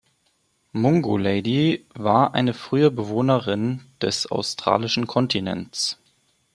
Mungo Lady war eine frühe Bewohnerin des Australischen Kontinents.